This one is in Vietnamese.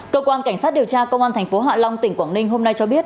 cơ quan cảnh sát điều tra công an tp hạ long tỉnh quảng ninh hôm nay cho biết